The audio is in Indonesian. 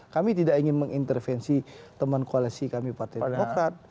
kami tidak ingin mengintervensi teman koalisi kami partai demokrat